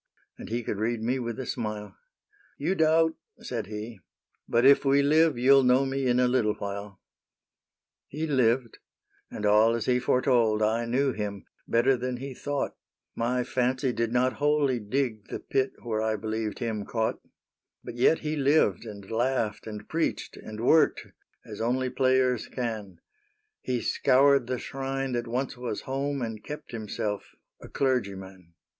And he could read me with a smile : SAINTE NITOUCHE 1 5 5 You doubt/* said he, " but if we live You '11 know me in a little while." He lived ; and all as he foretold, I knew him — better than he thought : My fancy did not wholly dig The pit where I believed him caught* But yet he lived and laughed, and preached, And worked — as only players can : He scoured the shrine that once was home And kept himself a clergyman.